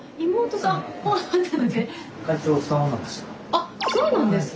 あそうなんですか？